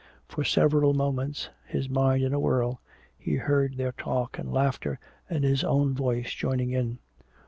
For several moments, his mind in a whirl, he heard their talk and laughter and his own voice joining in.